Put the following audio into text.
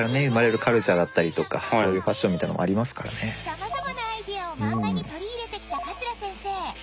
様々なアイデアを漫画に取り入れてきた桂先生